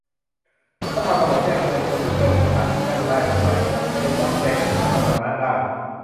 ถ้าทำระบบแจ้งเตือนคนที่เคยไปสถานที่นั้นได้ แบบรายคน โดยไม่ต้องแจ้งในทางสาธารณะได้